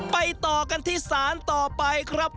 ต่อกันที่ศาลต่อไปครับ